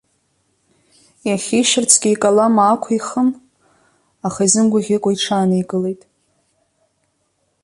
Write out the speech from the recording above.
Иахьишьырцгьы икалам аақәихын, аха изымгәаӷьыкәа иҽааникылеит.